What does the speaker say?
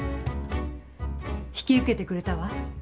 引き受けてくれたわ。